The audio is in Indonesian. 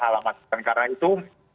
halamat dan karena itu